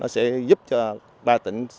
sẽ giúp cho ba tỉnh